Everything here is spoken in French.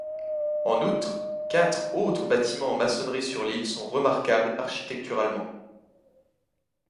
En outre, quatre autres bâtiments en maçonnerie sur l'île sont remarquables architecturalement.